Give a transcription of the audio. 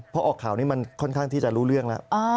พอออกข่าวนี้มันค่อนข้างที่จะรู้เรื่องแล้ว